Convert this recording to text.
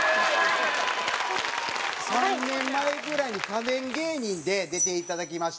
３年前ぐらいに家電芸人で出ていただきまして。